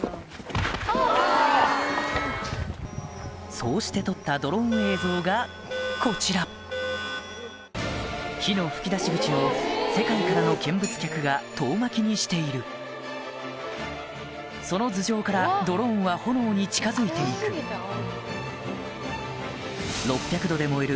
そうして撮ったドローン映像がこちら火の噴き出し口を世界からの見物客が遠巻きにしているその頭上からドローンは炎に近づいていくで燃える